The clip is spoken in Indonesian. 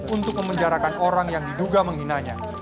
untuk memenjarakan orang yang diduga menghinanya